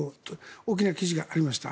大きな記事がありました。